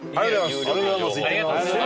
ありがとうございます。